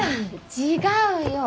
違うよ！